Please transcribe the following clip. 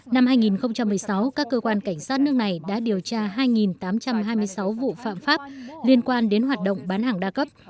năm hai nghìn một mươi sáu các cơ quan cảnh sát nước này đã điều tra hai tám trăm hai mươi sáu vụ phạm pháp liên quan đến hoạt động bán hàng đa cấp